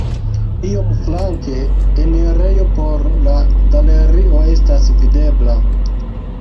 Iom flanke enirejo por la galerio estas videbla.